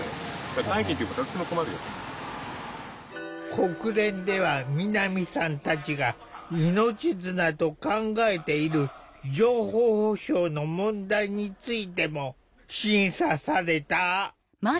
国連では南さんたちが命綱と考えている情報保障の問題についても審査された。